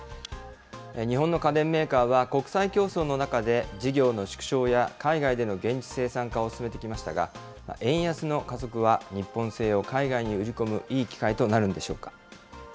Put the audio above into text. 日本の家電メーカーは、国際競争の中で、事業の縮小や海外での現地生産化を進めてきましたが、円安の加速は、日本製を海外に売り込むいい機会となるんでしょうか。